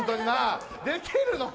できるのか？